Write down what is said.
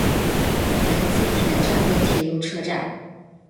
仁井田站的铁路车站。